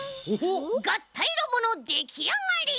がったいロボのできあがり！